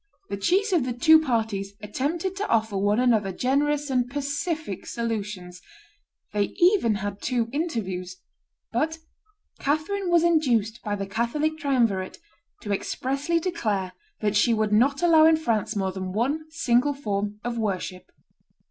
The chiefs of the two parties attempted to offer one another generous and pacific solutions; they even had two interviews; but Catherine was induced by the Catholic triumvirate to expressly declare that she could not allow in France more than one single form of worship.